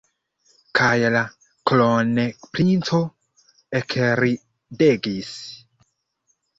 Kaj la kronprinco ekridegis.